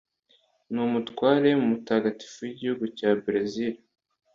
ni Umutware mutagatifu w'igihugu cya Berezile